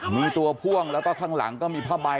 มีตัวพ่วงแล้วก็ข้างหลังก็มีผ้าใบ